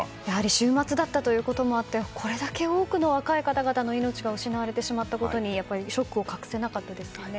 週末だったということもあってこれだけ多くの若い方々の命が失われてしまったことにショックを隠せなかったですね。